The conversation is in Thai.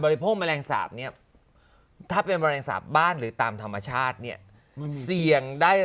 ดิ่งพัดสุดท้ายได้